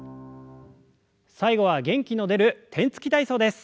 最後は元気の出る天つき体操です。